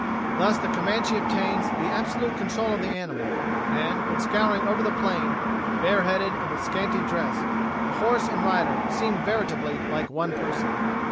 Thus the Comanche obtains the absolute control of the animal; and when scouring over the plain, bareheaded and with scanty dress, the horse and rider seem veritably like one person.